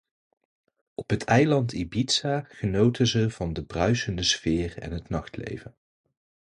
Op het eiland Ibiza genoten ze van de bruisende sfeer en het nachtleven.